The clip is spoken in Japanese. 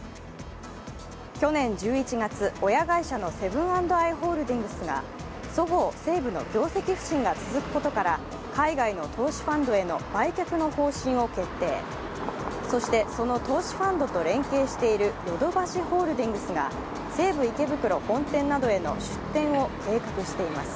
去年１１月、親会社のセブン＆アイ・ホールディングスがそごう・西武の業績不振が続くことから海外への投資ファンドへの売却の方針を決定そしてその投資ファンドと連携しているヨドバシホールディングスが西武池袋本店などへの出店を計画しています。